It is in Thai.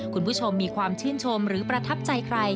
คุณผู้ชมมีความชื่นชมหรือประทับใจใคร